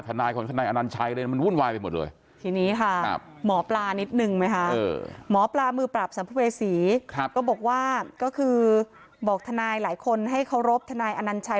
ธนาฬินัยอนันชายบอกว่าบอกธนาฬิหลายคนให้เขารบธนาฬิอนันชาย